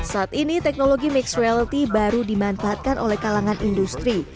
saat ini teknologi mixed reality baru dimanfaatkan oleh kalangan industri